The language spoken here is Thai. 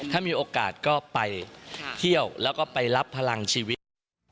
ถ้ามีโอกาสก็ไปเที่ยวแล้วก็ไปรับพลังชีวิต